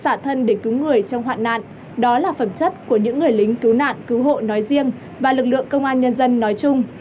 cơ sở thân để cứu người trong hoạn nạn đó là phẩm chất của những người lính cứu nạn cứu hộ nói riêng và lực lượng công an nhân dân nói chung